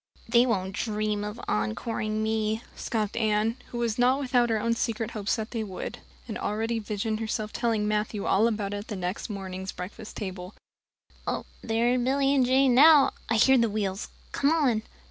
"They won't dream of encoring me," scoffed Anne, who was not without her own secret hopes that they would, and already visioned herself telling Matthew all about it at the next morning's breakfast table. "There are Billy and Jane now I hear the wheels. Come on."